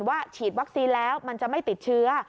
ฉีดวัคซีนแล้วมันจะไม่ติดเชื้อ